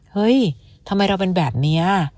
เฮ้ยทำไมเราเป็นแบบนี้